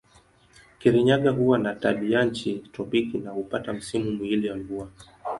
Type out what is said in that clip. Kirinyaga huwa na tabianchi tropiki na hupata misimu miwili ya mvua.